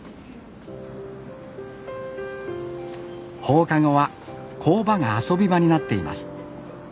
放課後は工場が遊び場になっています。